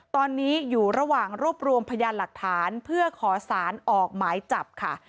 ตอนนี้อยู่ระหว่างรวบรวมพยานหลักฐานเพื่อขอสารออกหมายจับค่ะ